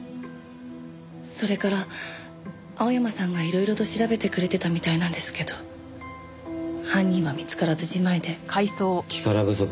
それから青山さんがいろいろと調べてくれてたみたいなんですけど犯人は見つからずじまいで。